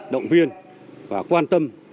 động viên và quan tâm